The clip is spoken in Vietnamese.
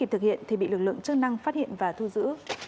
thực hiện thì bị lực lượng chức năng phát hiện và thu giữ